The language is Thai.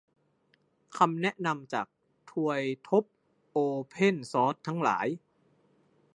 คำแนะนำจากทวยทพโอเพนซอร์สทั้งหลาย